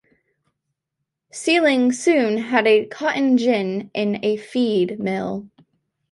Seiling soon had a cotton gin and a feed mill.